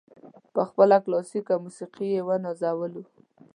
په خپله کلاسیکه موسیقي یې ونازولو.